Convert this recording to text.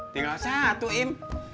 tinggal satu im